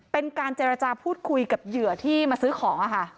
เป็นการเจรจาพูดคุยกับเหยื่อที่มาซื้อของค่ะ